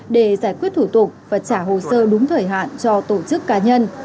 để giải quyết thủ tục và trả hồ sơ đúng thời hạn cho tổ chức cá nhân